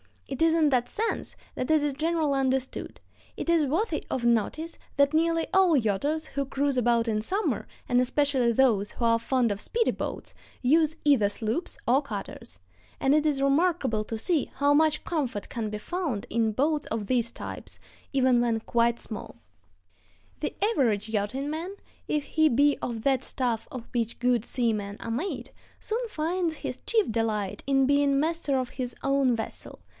It is in that sense that it is generally understood. It is worthy of notice that nearly all yachters who cruise about in summer, and especially those who are fond of speedy boats, use either sloops or cutters; and it is remarkable to see how much comfort can be found in boats of these types, even when quite small.... [Illustration: A SHARPIE.] The average yachting man, if he be of that stuff of which good seamen are made, soon finds his chief delight in being master of his own vessel.